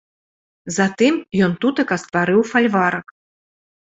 Затым ён тутака стварыў фальварак.